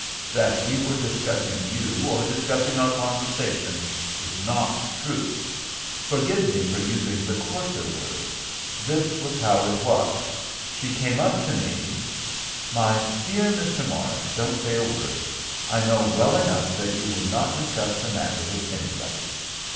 "That we were discussing you, or discussing our conversation, is not true. Forgive me for using the coarser word. This was how it was; she came up to me—" "My dear Mr. Morris, don't say a word. I know well enough that you would not discuss the matter with anybody.